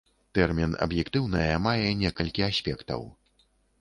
Тэрмін аб'ектыўнае мае некалькі аспектаў.